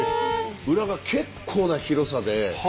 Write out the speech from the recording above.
裏が結構な広さで。